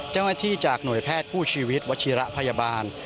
เจ้าหน้าที่จากหน่วยแพทย์ผู้ชีวิตวชิระพยาบาล